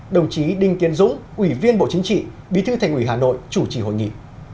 đồng chí đinh tiến dũng ủy viên bộ chính trị bí thư thành ủy hà nội chủ trì hội nghị